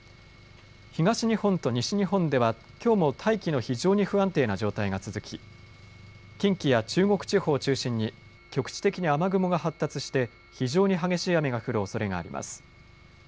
東日本と西日本ではきょうも大気の非常に不安定な状態が続き近畿や中国地方を中心に局地的に雨雲が発達して非常に激しい雨が降るおそれがあります。